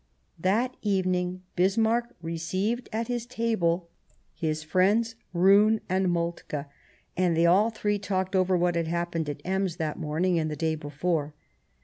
That evening Bismarck received at his table his friends Roon and Moltke, and they all three talked over what had happened at Ems that morning and the day before.